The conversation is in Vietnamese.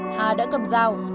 hà đã cầm rau